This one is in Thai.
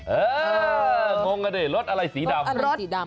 เอองงกันดิรสอะไรสีดำ